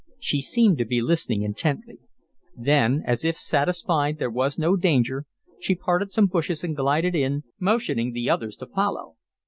She seemed to be listening intently. Then, as if satisfied there was no danger, she parted some bushes and glided in, motioning the others to follow.